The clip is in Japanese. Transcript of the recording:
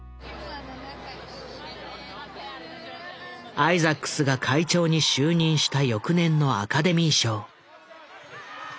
アイザックスが会長に就任した翌年のアカデミー賞。